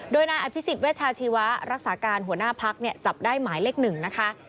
โดยนายอภิษฎิ์เวชาชีวะรักษาการหัวหน้าภักดิ์เนี่ยจับได้หมายเลขหนึ่งนะคะ